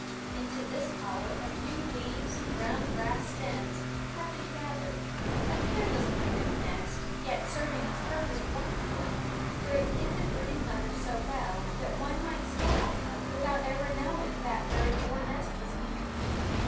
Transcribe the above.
Into this hollow a few leaves and brown grass stems had been gathered, a careless kind of nest, yet serving its purpose wonderfully, for it hid the brooding mother so well that one might step on her without ever knowing that bird or nest was near.